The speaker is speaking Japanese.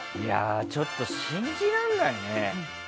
ちょっと信じらんないよね。